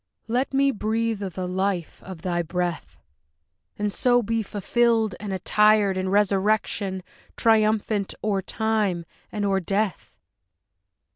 Let me breathe of the life of thy breath! And so be fulfilled and attired In resurrection, triumphant o'er time and o'er death!